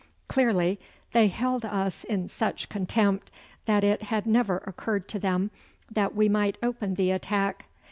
Clearly they held us in such contempt that it had never occurred to them that we might open the attack.